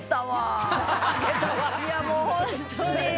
いやもうホントに。